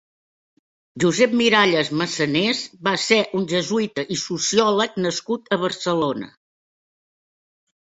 Josep Miralles Massanés va ser un jesuïta i sociòleg nascut a Barcelona.